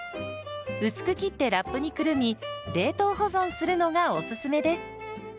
薄く切ってラップにくるみ冷凍保存するのがおすすめです。